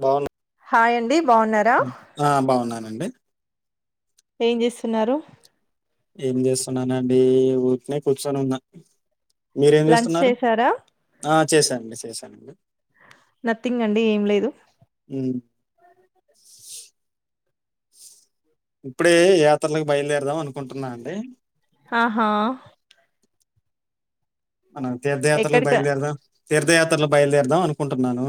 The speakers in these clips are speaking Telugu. బావు హాయ్ అండి బాగున్నారా ఆ బాగున్నాను అండి ఏం చేస్తున్నారు ఏం చేస్తున్నానండి ఉరికెనే కూర్చొని ఉన్న మీరేం లంచ్ చూస్తున్నారు చేసారా ఆ చేసనండి చేసా తన్ నథింగ్ అండి ఏం లేదు హ్మ్. ఇప్పుడే యాత్రలకు బయలుదేరదాం అనుకుంటున్నా అండి ఆహా మన తీర్థయాత్రలకు ఎక్కడికి బయలుదేరుదాం తీర్థయాత్రలక్ బయదేరుదాం అన్ కుంటున్నాను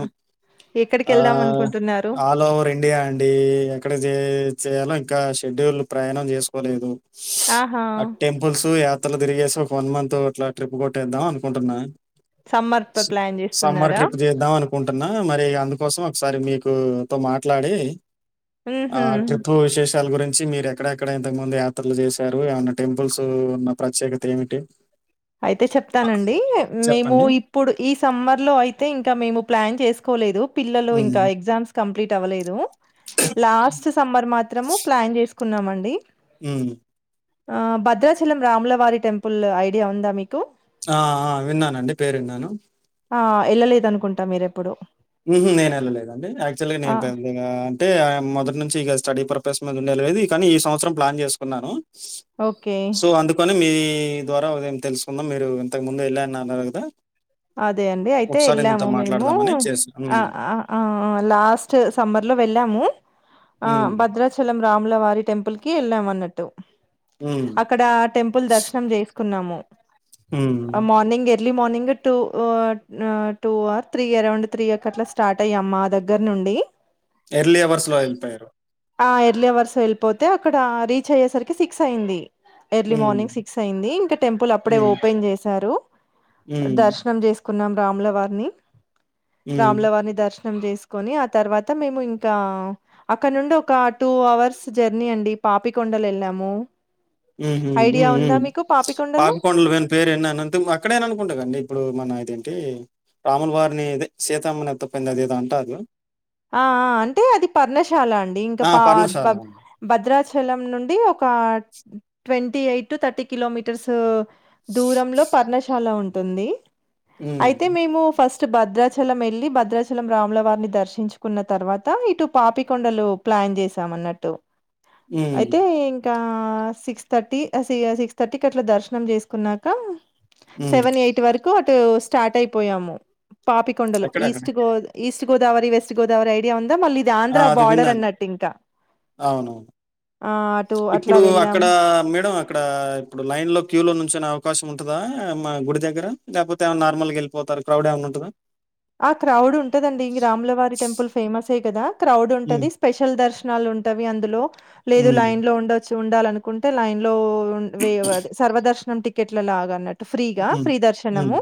ఎక్కడికి ఆ వెళ్దాం అనుకుంటున్నారు ఆల్ ఓవర్ ఇండియా అండి ఎక్కడిజేయ్ కి చేయాలో ఇంకా షెడ్యూల్ ప్రయాణం చేసుకోలేదు స్ ఆహా ఆ టెంపుల్స్ యత్ త్రాలు తిరిగేసి ఒక వన్ మంత్ అట్లా ట్రిప్ కొ ట్టేద్దాం అనుకుంటున్నా సమ్మర్ స ప- ప్లాన్ సమ్మర్ చేస్తున్నారా ట్రిప్ చేద్దాం అనుకుంటున్నా ఆ మరి అందుకోసం ఒకసారి మీకు తొ మాట్లాడి ఆ ఉహు ట్రిప్పు విశేష షాలు గురించి మీరు ఎక్కడెక్కడ ఇంతకుముందు యాత్రలు చేశారు ఏమన్న టెంపుల్స్ ఉన్న ప్రత్యేకత ఏమిటి అయితే ఆ! చెప్తానండి మేము చెప్పండి. ఇప్పుడు ఈ సమ్మర్ లో అయితే ఇంకా మేము ప్లాన్ చేస్ కోలేదు పిల్లలు హ్మ్. ఇంకా ఎగ్జామ్స్ కంప్లీట్ అవ్వలేదు లాస్ట్ సమర్ మాత్రము ప్లాన్ చేసు కున్నామండి హ్మ్. ఆ భద్రాచలం రాములవారి టెంపుల్ ఐ ఐడియా ఉందా మీకు ఆ అ విన్నానండి పేరు విన్నాను ఆ వెళ్ళలేదు అనుకుంటా మీరు ఎప్పుడు ఉహూ నేను వెళ్ళలేదుదండి యాక్చువల్గా ఆ నేను అంటే మొదటి నుంచి ఇగ స్టడీ పర్ప ద ఉండేది కానీ ఈ సంవత్సం ప్లాన్ చేసుకున్నాను ఓకే సో అందుకని మీ ద్వారా ఉదయం తెలుసుకుందాం మీరు ఇంతకు ముందు వెళ్ళ అన్నారు కదా అదే అండి అయితే ఒకసారి మీతో వెళ్ళాము మేము మాట్లాడదామని చేశాను. ఆ హ్మ్. ఆ ఆ ఆ లాస్ట్ సమర్ లో వెళ్ళాము ఆ హ్మ్. భద్రాచలం రాములవారి టెంపుల్ కి వెళ్ళాన్న న్నట్టు హ్మ్. అక్కడ టెంపుల్ దర్శనం చేసే కున్నాము హ్మ్. మార్నింగ్ ఏ early మార్నింగ్ట్ two two or three around three కట్లా స్టార్ట్ అయమ్మ మా దగ్గర నుండి ఎర్లీ అవర్స్ లో వెళ్ళిపోయారు హా ఎర్లీ అవర్స్ వెళ్ళిపోతే అక్కడ రీచ్ అయ్యేసరికి సిక్స్ అయి్యంది ఎర్లీ హ్మ్. మార్నింగ్ సిక్స్ అయింది ఇంకా టెంపుల్ అప్పుడే హ్మ్. ఓపెన్ చేశారు హ్మ్. దర్శనం చేసు కకున్నాం రాముల వారిని హ్మ్. రాముల వారిని దర్శనం ం చేసుకొని ఆ తర్వాత మేము ఇంకా అక్కడ నుండి ఒక టూ అవర్స్ జర్నీ అండి పాపికొండలు వెళ్ళాము ఉహూ ఉ ఐడియా ఉందా ఉ మీకు పాపికొండలు విన్ పేరు విన్నా అంతే అక్కడేనా అనుకుంటా కదండి ఇప్పుడు మన ఇదేంటి రాముల వారిని ఇదే సీతామ్మని ఎతుకుపోయింది అది ఏదో అంటారు ఆ ఆ అంటే అది పర్ణశాల అండి ఇంకా ఆ! పా పర్ణశాల. భద్రాచలం నుండి ఒక twenty eight to thirty kilometres దూరంలో పర్ణశాల ఉంటు ఉంటుంది హ్మ్. అయితే మేము ఫస్ట్ స్ట్ భద్రాచలం వెళ్ళలి భద్రాచలం రాములవారిని దర్శించు కున్న తర్వాత ఇటు పాపికొండలు ప్లాన్ చేసామన్నట్టు హ్మ్. అయితే ఇంకా ఇ సిక్స్ థర్టీ సి సిక్స్ థర్టీకి అట్లా దర్శనం చేసుకున్నాక హ్మ్. సెవెన్ ఎయిట్ వరకు స్టార్ట్ అయిపోయామ పాపికొండలు అక్కడే అక్కడ. ఈస్ట్ గో ఈస్ట్ గోదావరి వెస్ట్ సి ఐడియా వ కదా మళ్ళీ ఇది ఆ! ఆంధ్ర అది బార్డర్ విన్నాను. అన్నట్టు ఇంకా అవునవును. ఆ అటు అట్లా వెళ్ళాము ఇక్కడ ఇప్పుడు లైన్ లో క్యూ లో నుంచనే అవకాశం ఉంటుందా మా గుడి దగ్గర లేకపోతే ఏమై నార్ల్గా వెళ్ళిపోతారు క్రౌడ్ ఏమైన్నా ఉంటందా ఆ క్రౌడ్ ఉంటదండి రాములవారి టెంపుల్ ఫేమస్ స కదా క్రౌడ్ ఉంటుది హ్మ్. స్పెషల్ దర్శనాలు ఉంటాయి వి అందులో లేదు హ్మ్. లైన్ లో ఉండొచ్చు ఉండాలనుకుంటే లైన్ లో ఉన్ వే అద్ సర్వదర్స్ మన టికెట్లా లాగా అనట్ ఫ్రీగా హ్మ్. ఫ్రీ హ్మ్. దర్శనము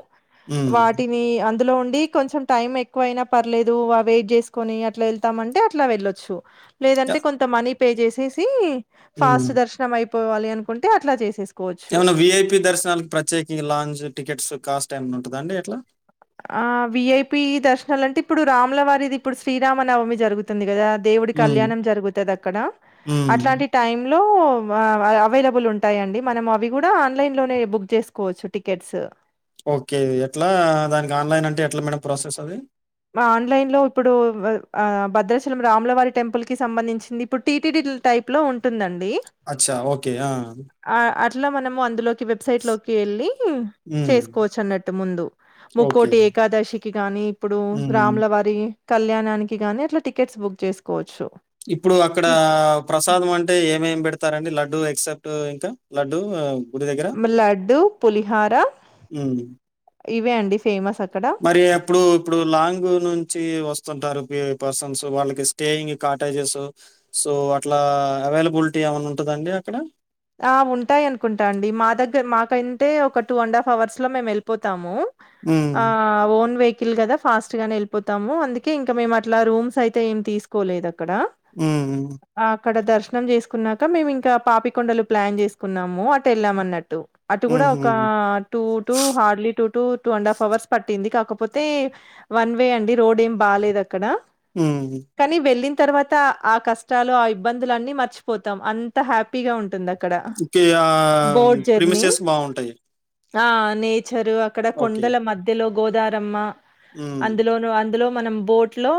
హ్మ్. వాటిని అందులో ఉ కొంచై టైం ఎక్కువ అయినా పర్లేదు ఆ వెయిట్ జెస్కుని అట్లా వెళ్తామంటే అట్లా వెళ్లొచ్చు య లేదంటే కొంత మనీ పే చేసేసి హ్మ్. ఫాస్ట్ దర్శనం అయి పోవాలి అనుకుంటే అట్లా జేసేసి ఏవనా విఐపి దర్శనాల ప్రత్యేకంగా లాంచ్ టికెట్స్ కాస్త టైం ఉంటద అండి ఎట్లా ఆ విఐపి దర్శనాలు అంటే ఇప్పుడు రాములవారిది ఇప్పుడు శ్రీరామ నవమి జరుగుతుంది కదా దేవుడి హ్మ్. కళ్యాణం జరుగుతుంది అక్కడ హ్మ్. అట్లాంటి టైమ్ లో అవైలబుల్ ఉంటాయిండి మనం అవి కూడా ఆన్లైన్ లోనే బుక్ చేసుకోవచ్చు టికెట్స్ ఓకే ఎట్లా దానికి ఆన్లైన్ అంటే ఎట్లా మేడం ప్రాసెస్ అది ఆన్లైన్ లో ఇప్పుడు భద్రాచీలం రాములవారి టెంపుల్ కి సంబంధించింది ఇప్పుడు టీటిటీ టైప్ లో ఉంటుందండి అచ్చా! ఓకే. ఆ! అట్లా మనము అందులోకి వెబ్సైట్ లోకి వెళ్ళి హ్మ్. చేసుకోవచ్చు అన్నట్టు ముందు ఓకే. ముక్కోటి ఏకాదశికి గాని హ్మ్. రామలవారి కళ్యాణానికి గాని అట్లా టికెట్స్ బుక్ చేసుకోవచ్చు ఇప్పుడు అక్కడ హ్మ్. ప్రసాదం అంటే ఏమేమి పెట్ పెడతారండి లడ్డుూ ఎక్సెప్ట్ ఇంకా లడ్డుూ లడ్డుూ పులిహార హ్మ్. ఇవే అండి ఫేమస్ అక్కడ. మరి ఎప్పుడు ఇప్పుడు లాంగ్ నుంచి వస్తుంటారు పర్సన్స్ వాళ్ళకి స్టేయింగ్ కాటేజెస్ సో అట్లా అవైలబిలిటీ ఏమైన్నా ఉంటుందండి అక్కడ ఆ ఉంటాయి అనుకుంటా అండి మా దగ్గర మాకైే ఒక టూ అండ్ హాఫ్ అవర్స్ లో మేము వెళ్ళిపోతాము హ్మ్. ఆ ఓన్ వే ల్ కదా ఫాస్ట్ గానే వెళ్పోతాము అందుకే ఇంకా మేము అట్లా రూమ్స్ అయితే ఏం తీకోలేదక్క ఉమ్మ్ అక్కడ దర్శనం చేసుకున్నాక మేము ఇంకా పాపికొండలు ప్లాన్ చేసుకున్నాము అటు వెళ్ళామ అన్నట్టు అటు కూడా హుహు. ఒక two two hardly two two two and half hours పట్టింది కాకపోతే వన్ వే అండి రోడ్ ఏం బాలేదు అ హ్మ్. కానీ వెళ్ళంది తర్వాత ఆ కష్టాలు ఆ ఇబ్బందులు అన్ని మర్చిపోతాం అంత హ్యాపీగా ఉంటుంది ఇకా ఆ ప్రిమిసస్ బాగుంటాయి ఆ నె చర్ అక్కడ కొండల మధ్యలో గోదారమ్మ హ్మ్. అందులోను అందులో మనం బోట్ లో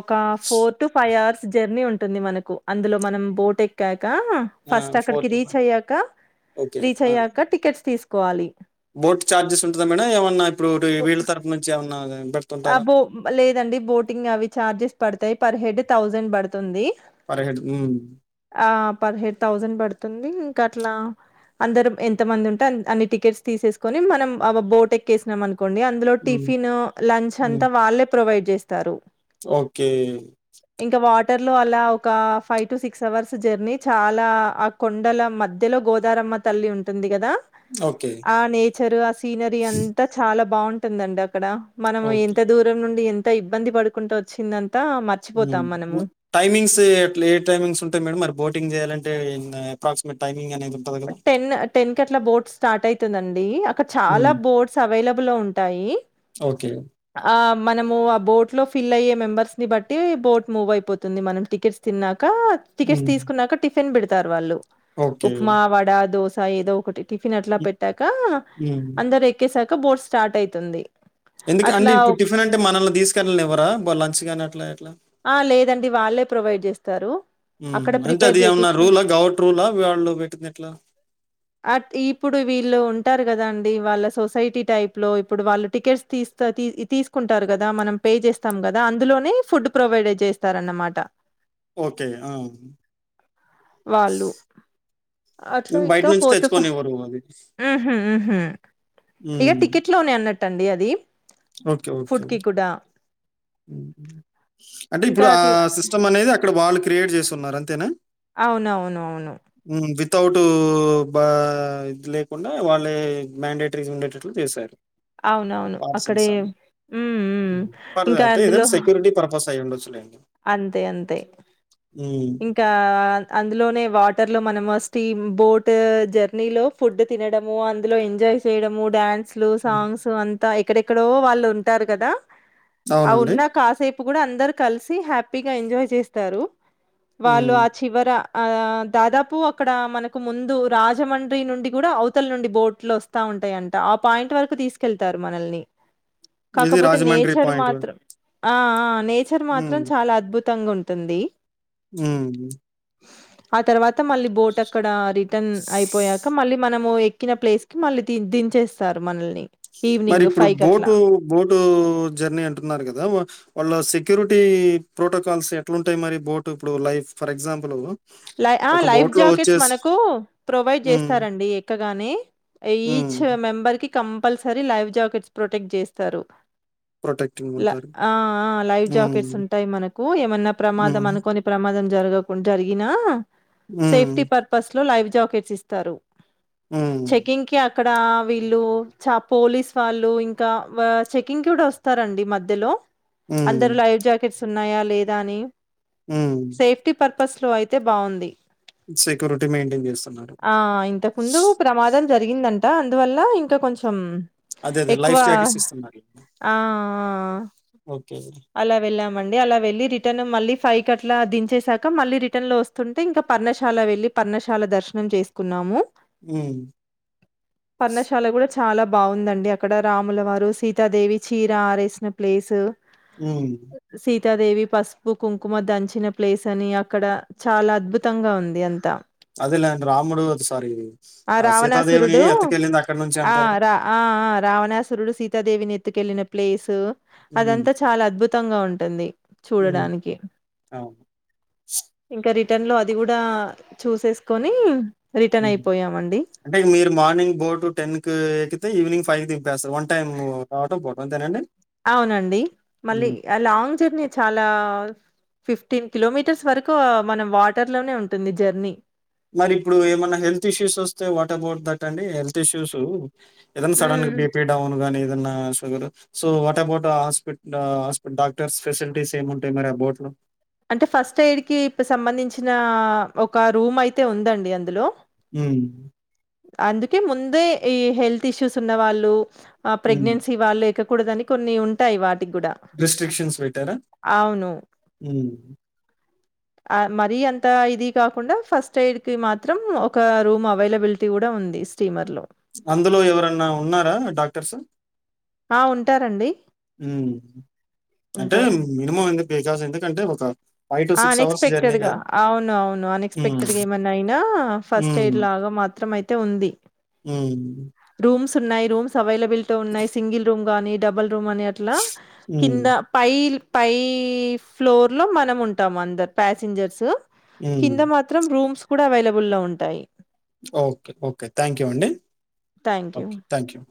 ఒక four to five hours journey ఉంటుంది మనకు అందులో మనం బోట్ ఎక్కాక ఆ! ఫస్ట్ అక్కడికి రీచ్ అయ్యాక ఓకే. రీచ్ ఆ! అయ్యాక టికెట్స్ తీసుకు కోవాలి బోట్ చఛార్జెస్ ఉంటదా మేడం ఏమన్నా ఇప్పుడు వీళ్ళ ఓహ్! తరపు నుంచి ఏమన్నా ఆ పెడుతుంటారా? బో లేదండి బోటింగ్ అవి చార్జెస్ పడతాయి పర్ హెడ్ థౌజండ్ పడుతుంది పర్ హెడ్ హ్మ్. ఆ పర్ హెడ్ థౌజండ్ పడుతుంది అట్లా అందరు ఎంతమంది ఉంటే అన్ని టికెట్స్ తీసేసుకొని మనం బోట్ ఎక్కేసినాం కొండి అందులో హ్మ్. టిఫిన్ లంచ్ అంతా హ్మ్. వాళ్ళే ప్రొవైడ్ చేస్తారు ఓకే వాటర్ లో అలా ఒక five to six hours journey చాలా ఆ కొండల మధ్యలో గోదారమ్మ తల్లి ఉంటుంది కదా ఓకే. ఆ నేచరు ఆ సీనరీ అంతా చాలా బాగుంటుందండి అక్కడ మనం ఓకే. ఎంత దూరం నుండి ఎన్ త ఇబ్బంది పడుకుంటా వచ్చిందన్ ఉమ్ టైమింగ్స్ ఎట్లా ఏ టైమింగ్స్ ఉంటాయి మేడంమ్ మరి బోటింగ్ చేయాలం టె అప్రాక్సిమేట్ టైమ్ టెన్ టెన్ కట్లా బోట్స్ స్టార్ట్ అయ్ తదండి డీ అక్కడ చాలా హ్మ్. బోట్స్ అవైలబ్లో ఉంటాయి ఓకే. ఆ ప్ మనము ఆ బోట్ లో ఫిల్ అయ్యే మెంబర్స్ ని బట్టి బోట్ మూవ్ అయిపోతుంది మనం టికెట్స్ తిన్నా క టికెట్ హ్మ్. తీసుకున్నాక టిప్ ఫెన్ బెడతారు వాళ్ళు ఓకే. ఉప్మా వడా దోస్ స ఏదో ఒకటి టిఫిన్ అట్లా హ్మ్. పెట్టాక హ్మ్. అందరు ఎక్కేసా క బోర్స్ స్టార్ట్ అయ్తుంది ఎందుక అండి ఇప్పుడు టిఫెన్ అంటే మనల్ని తీసుకెళ్ళానివర వాల్ లంచ్ గాని అట్లా ఇట్లా ఆ లేదండి వాళ్ళే ప్రొవైడ్ చేస్తారు హుహు. అక్కడ అంటే ప్రిపేర్ అది ఏమన్నా చేపిస్తా రూలా? గౌట్ రూలా? వాళ్ళు పెట్టింది ఎట్లా? అ ఇప్పుడు వీళ్ళు ఉంటారు కదాండి వాళ్ళ సొసైటీ టైప్ లో ఇప్పుడు వాళ్ళు టికెట్స్ తీస్తా తీసుకుంటారు కదా మనం పే చేస్తాం కదా అందులోనే ఫుడ్ ప్రొవైడే చేస్తారన్నమాట ఓకే. ఆ! వాళ్ళు అట్లా ఇది బయట ఇక నుంచి ఫోర్ట్ పో తెచ్చుకోనివ్వరు అది. ఇక హ్మ్. టికెట్ లోనే అన్నట్ ట్టండి అది ఓకే ఓకే ఫుడ్‌కి కూడా. ఉ అంటే ఇంకా ఇప్పుడు ఆ అట్లా సిస్టమ్ అనేది ఇక్కడ వాళ్ళు క్రియేట్ చేస్తున్నారు అంతేనా అవునవును అవును హ్మ్. వితౌట్ బ ఇది లేకుండా వాళ్ళే మ్యాండేటరీ ఉండేటట్లూ చేశారు అవునవును అక్కడే ఉమ్మ్ ఐతే ఏదైన్ సెక్యూరిటీ పర్పస్ తై ఉండచ్చులేే అంతే అంతే హ్మ్. ఇంకా అందులోనే వాటర్ లో మనం అస్ స్టీమ్ బోటా జర్నీ లో ఫుడ్ తినడము అందులో ఎంజాయ్ చేయడము డ్యాన్స్ లూ హ్మ్. సాంగ్స్ అంత్ ఎక్కడెక్కడో వాళ్ళు ఉంటారు కదా ఆ అవునండి. ఉన్నా కాసేప్ ఇప్పుడు అందరు కలిసి హ్యాపీగా ఎంజాయ్ చేస్తారు. వాళ్ళు హ్మ్. ఆ చివరా ఆ దాదాపు అక్కడా మనకు ముందు రాజమండ్రి నుండి గూడా అవతల నుండి బోట్లు వస్తా ఉంటాయంట. ఆ పాయింట్ వరకు తీసుకెళ్తారు మనల్ని. ఏది కాకపోతే రాజమండ్రి నేచర్ పాయింట్ వర మాత్రం ఆ ఆ నేచర్ మాత్రం చాలా అద్భుత్ త్తంగా ఉంటుందీ. హ్మూ ఆ తర్వాత్ త మళ్ళీ బోట్ అక్కడా రిటర్న్ అయిపోయాక మళ్ళీ మనమూ ఎక్కిన ప్లేస్ కి మళ్ళీ దించేస్తారు మనల్ని. మరి ఈవినింగ్ ఇప్పుడు ఫైవ్ కట్లా బోటూ బోటూ జర్నీ అంటున్నారు గదా వా వాళ్ళు సిక్ సెక్యూరిటీ ప్రోటోకాల్స్ ఎట్లుంటాయి మరి బోట్ ఇప్పుడు లైఫ్ ఫర్ ఎగ్జాంపులూ లై ఆ లైఫ్ జాకెట్స్ మనకూ ప్రొవైడ్ హ్మ్. చేస్తారండీ ఎక్కగానే ఈచ్ హ్మ్. మెంబర్ కి కంపల్సరీ లైవ్ జాకెట్స్ ప్రొటెక్ట్ జేస్తారు. ప్రొటెక్టింగ్ ఇంకా ఉంటారు. ఆ ఆ లైవ్ హ్మ్. జాకెట్స్ ఉంటాయి మనకూ. ఏమన్నా ప్రమాదం హ్మ్. అనుకోని ప్రమాదం జరగకుండ్ జరి గినా సేఫ్టీ హ్మ్. పర్పస్ లో లైవ్ జాకెట్స్ ఇస్తారు హ్మ్. చెకింగ్ కీ అ అక్కడా వీళ్ళూ చ పోలీస్ వాళ్ళు. ఇంకా చెకింగ్ కూడా వస్తారండి మధ్యలో. అందరు హ్మ్. లైఫ్ జాకెట్స్ ఉన్నాయా లేదా అని హ్మ్. సేఫ్టీ పర్ప్ ప్రో అయితే బాగుంది సెక్యూరిటీ మెయింటైన్ జేస్తున్నారు. ఆ ఇంతక్ ముందూ ప్రమాదం జరిగిందం టా అందువల్లా ఇంకా కొంచెం అదే. అదే. లైఫ్ ఎక్కువా జాకెట్స్ ఇస్తున్నారు. ఆ ఆ ఓకే. అలా వెళ్ళాం అండి. అలా వెళ్ళి రిటర్న్ మళ్ళీ ఫై అట్లా దించేసాక మల్లి రీ టన్ లో వస్తుంటే ఇంకా పర్ణశాల వెళ్ళి పర్ణశాల దర్శనం చేసుకున్నాము ఉ పర్ణశాల కూడా చాలా బాగుందండి అక్కడ రాముల వారు సీతాదేవి చీర ఆరేసిన ప్లేసు ఉ తాదేవి పసుపు కుంకుమ దంచిన ప్లేస్ అని అక్కడ చాలా అద్భుతంగా ఉంది అంతా అదేలేండి. రాముడు సారీ ఆ సీతాదేవిని రావణాసురుడు ఎత్తుకెళ్ళింది అక్కడి నుంచే ఆ అంటారుగా? రా ఆ ఆ రావణాసురుడు సీతాదేవిని ఎత్తుకెళ్ళిన ప్లేస్ అదంతా చాలా అద్భుతంగా ఉం టంది ఉ అవు ఇంకా రిటర్న్ లో అది కూడా చూసేసుకొని రిటర్న్ అయిపోయామండి అంటే మీరు మార్నింగ్ బోటు టెన్ కి ఎక్కితే ఈవినింగ్ ఫైవ్ కి థీమ్ వన్ టై వంతేనండి అవునండి మళ్ళీ ఆ లాంగ్ జర్నీ చాలా ఫిఫ్టీన్ కిలోమీటర్స్ వరకు మనం వాటర్ లోనే ఉంటుంది జర్నీ మరి ఇప్పుడు ఏమైన్నా హెల్త్ ఇష్యూస్ వస్తే వాట్ అబౌట్ థట్ అండి హెల్త్ ఇష్యూస్ ఏదన్నా సడన్ మ్మ్ బపీ డౌన్ గానే ఏదన్నా sugar so what about hospital హాస్పిట డాక్టర్స్ ఫెసిలిటీస్ ఏమింటాయి మరి ఆ బోట్ లో అంటే ఫస్ట్ ఎయిడ్ కి ఇప్పుడు సంబంధించిన ఒక రూమ్ అయితే ఉందండి అందులో ఉ అందుకే ముందే ఈ హెల్త్ ఇష్యూస్ ఉన్న వాళ్ళు ఆ హ్మ్. ప్రెగ్నెన్సీ వాళ్ళు కూడదని కొన్ని ఉంటాయి వా రిస్ట్రిక్షన్ పెట్టారా ఆ మరీ అంత ఇది కాకుండా ఫస్ట్ ఎయిడ్ కి మాత్రం ఒక రూమ్ అవైలబిలిటీ కూడా ఉంది స్టీమర్ లో అందులో ఎవరన్నా ఉన్నారా డాక్టర్స్ ఆ ఉంటారండి ఉ అంటే ఉంటారు. మినిమం ఎకాస ఎందుకంటే ఒక అన్ అవర్స్ జర్నీ ఎక్స్పెక్టెడ్ గా కదా! అవును అవును హ్మ్. అన్ఎక్స్పెక్టెడ్గా ఏమన్నా అయినా ఫస్ట్ ఎయిడ్ హ్మ్. లాగా మాత్రం అయితే ఉంది హ్మ్. సున్నాయి రూమ్స్ అవైలబుల్ వెళ్ల్తో ఉన్నాయి సింగిల్ రూమ్ గానీ డబల్ అని అట్లా హ్మ్. కింద పైల్ పై ఫ్లోర్ లో మనం ఉంటా ం అందరు ప్యాసింజర్స్ హ్మ్. కింద మాత్రం రూమ్స్ కూడా అవైలబుల్ గా ఉంటాయి ఓకే ఓకే థ్యాంక్ యూ అండి thank you. Okay thank you